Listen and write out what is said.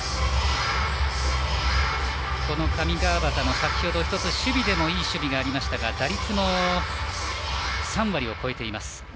この上川畑は先ほど守備でも１ついい守備がありましたが打率も３割を超えています。